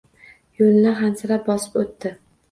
Yo‘lni hansirab bosib o‘tdi.